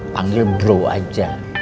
panggil bro aja